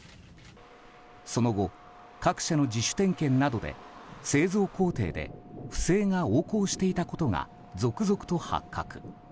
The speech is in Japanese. その後、各社の自主点検などで製造工程で不正が横行していたことが続々と発覚。